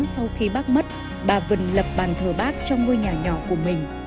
một nghìn chín trăm sáu mươi chín sau khi bác mất bà vân lập bàn thờ bác trong ngôi nhà nhỏ của mình